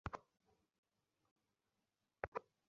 সে অবশ্য আমার সঙ্গেই ভ্রমণ করবে।